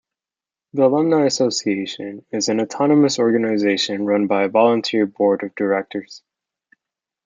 The Alumni Association is an autonomous organization run by a volunteer Board of Directors.